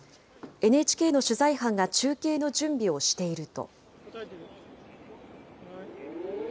ＮＨＫの取材班が中継の準備をしていると。